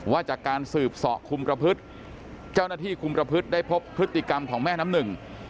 ว่าจากการสืบสอคุมประพฤติเจ้าหน้าที่คุมประพฤติได้พบพฤติกรรมของแม่น้ำหนึ่ง